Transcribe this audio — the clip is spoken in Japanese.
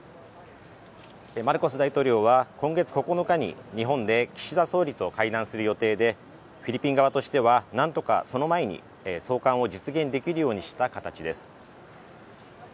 マルコス大統領は今月９日に日本で岸田総理と会談する予定でフィリピン側としてはなんとかその前に送還を実現させた形です。